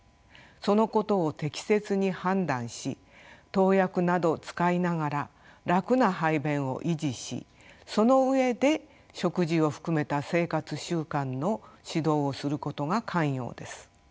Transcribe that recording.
そのことを適切に判断し投薬などを使いながら楽な排便を維持しその上で食事を含めた生活習慣の指導をすることが肝要です。